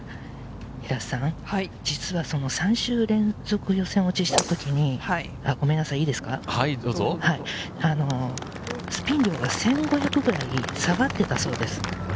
実は３週連続予選落ちした時に、スピン量が１５００ぐらい下がったそうです。